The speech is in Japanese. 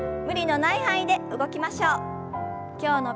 無理のない範囲で動きましょう。